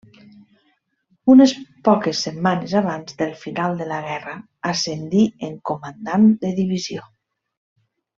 Unes poques setmanes abans del final de la guerra ascendí en comandant de divisió.